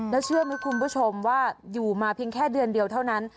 แล้วเชื่อไหมคุณผู้ชมว่าอยู่มาเพียงแค่เดือนเดียวเท่านั้น